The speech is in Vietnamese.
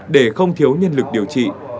để không thiếu nhân lực điều trị